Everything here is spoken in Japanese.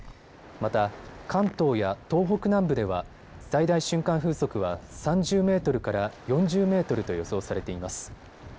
また関東や東北南部では最大瞬間風速は３０メートルから４０メートルと予想されています。